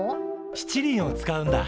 しちりんをつかうんだ。